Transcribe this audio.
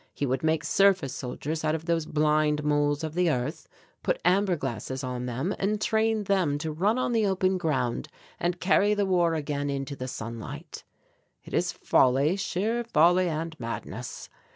He would make surface soldiers out of these blind moles of the earth, put amber glasses on them and train them to run on the open ground and carry the war again into the sunlight. It is folly, sheer folly, and madness.